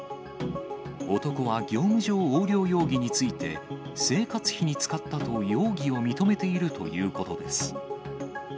男は業務上横領容疑について、生活費に使ったと容疑を認めているということです。